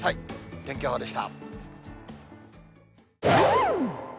天気予報でした。